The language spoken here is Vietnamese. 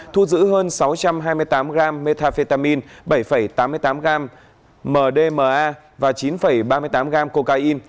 thu giữ hơn sáu trăm hai mươi tám gram metafetamin bảy tám mươi tám gram mdma và chín ba mươi tám gram cocaine